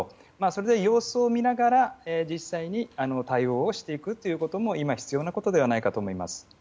それで様子を見ながら、実際に対応をしていくということも今、必要なことではないかと思います。